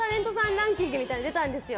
ランキングみたいなの出たんですよ。